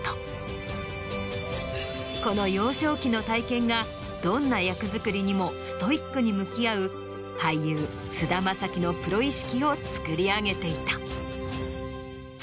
この幼少期の体験がどんな役作りにもストイックに向き合う俳優菅田将暉のプロ意識をつくり上げていた。